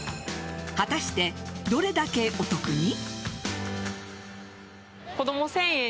果たして、どれだけお得に？